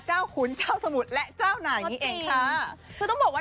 เจ้าขุนเจ้าสมุทรและเจ้าหน่ายนี้เองค่ะจริงค่ะคือต้องบอกว่า